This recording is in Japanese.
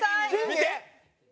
見て！